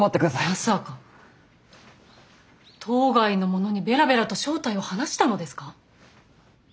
まさか島外の者にベラベラと正体を話したのですか？